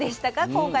今回。